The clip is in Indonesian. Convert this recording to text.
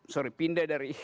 sorry pindah dari